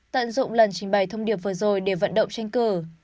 tận dụng lần trình bày thông điệp vừa rồi để vận động tranh cử